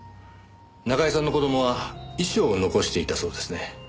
中居さんの子供は遺書を残していたそうですね。